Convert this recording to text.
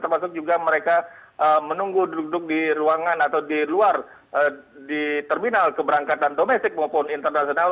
termasuk juga mereka menunggu duduk duduk di ruangan atau di luar di terminal keberangkatan domestik maupun internasional